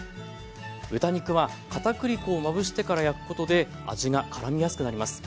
豚肉は片栗粉をまぶしてから焼くことで味がからみやすくなります。